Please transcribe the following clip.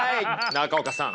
中岡さん。